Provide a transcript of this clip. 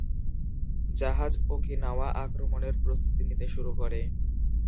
জাহাজ ওকিনাওয়া আক্রমণের প্রস্তুতি নিতে শুরু করে।